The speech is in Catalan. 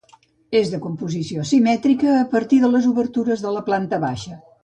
És de composició simètrica a partir de les obertures de la planta baixa.